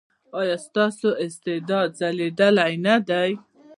ایا ستاسو استعداد ځلیدلی نه دی؟